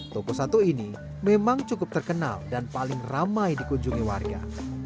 toko satu ini memang cukup terkenal dan paling ramai dikunjungi warga